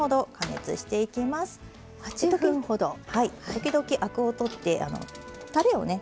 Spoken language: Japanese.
時々アクを取ってたれをね